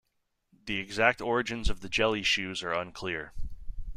The exact origins of the jelly shoes are unclear.